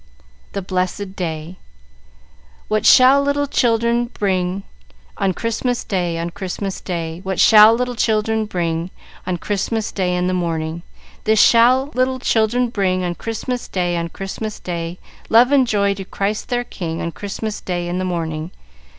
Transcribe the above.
THE BLESSED DAY "What shall little children bring On Christmas Day, on Christmas Day? What shall little children bring On Christmas Day in the morning? This shall little children bring On Christmas Day, on Christmas Day; Love and joy to Christ their king, On Christmas Day in the morning!